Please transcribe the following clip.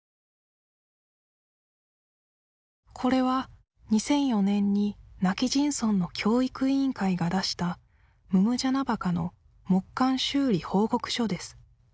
これは２００４年に今帰仁村の教育委員会が出した百按司墓の木棺修理報告書です